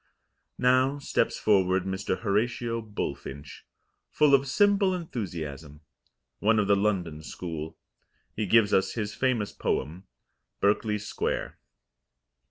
Now steps forward Mr. Horatio Bullfinch, full of simple enthusiasm, one of the London school. He gives us his famous poem, "Berkeley Square."